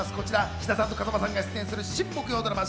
志田さんと風間さんが出演する新木曜ドラマ